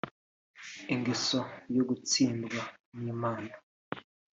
Ingeso yo gatsindwa n’Imana